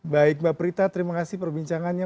baik mbak prita terima kasih perbincangannya